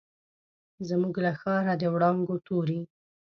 زموږ له ښاره، د وړانګو توري